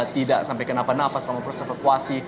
tidak sampai kenapa nafas selama proses evakuasi